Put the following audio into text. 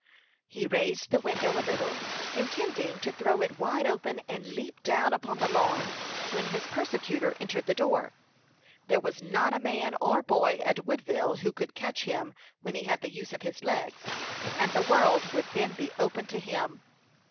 He raised the window a little, intending to throw it wide open, and leap down upon the lawn, when his persecutor entered the door. There was not a man or boy at Woodville who could catch him when he had the use of his legs, and the world would then be open to him.